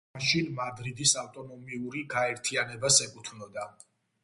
იგი მაშინ მადრიდის ავტონომიური გაერთიანებას ეკუთვნოდა.